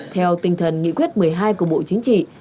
theo tinh thần nghị quyết một mươi hai của bộ chính trị